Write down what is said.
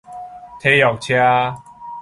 體育車